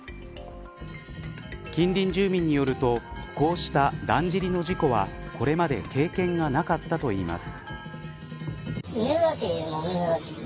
近隣住民によるとこうした、だんじりの事故はこれまで経験がなかったといいます。